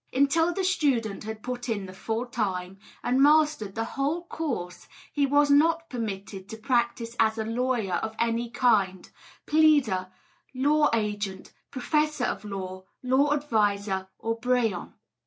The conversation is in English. Until the student had put in the full time, and mastered the whole course, he was not permitted to practise as a lawyer of any kind pleader, law agent, professor of law, law adviser, or brehon.